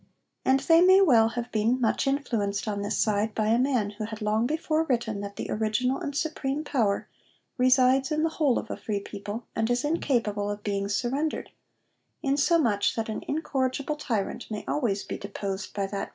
And they may well have been much influenced on this side by a man who had long before written that 'the original and supreme power resides in the whole of a free people, and is incapable of being surrendered,' insomuch that an incorrigible tyrant may always be 'deposed by that people as by a superior authority.'